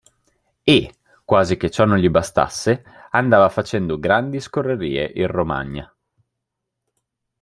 E, quasi che ciò non gli bastasse, andava facendo grandi scorrerie in Romagna.